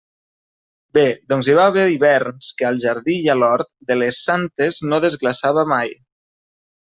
Bé, doncs hi va haver hiverns que al jardí i a l'hort de «les santes» no desglaçava mai.